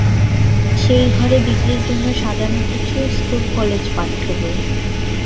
সেই ঘরে বিক্রির জন্যে সাজানো কিছু স্কুলকলেজপাঠ্য বই।